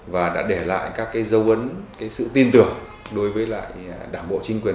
và đã để lại các dấu ấn sự tin tưởng đối với đảm bộ chính quyền